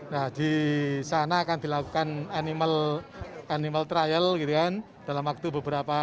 nah di sana akan dilakukan animal trial gitu kan dalam waktu beberapa hari